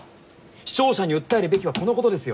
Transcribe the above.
視聴者に訴えるべきはこのことですよ！